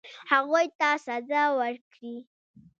هغوی ته سزا ورکړي.